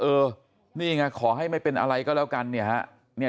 เออนี่ไงขอให้ไม่เป็นอะไรก็แล้วกันเนี่ยฮะ